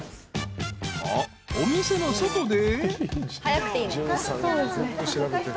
［とお店の外で］